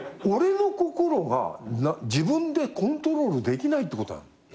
俺の心が自分でコントロールできないってことなの。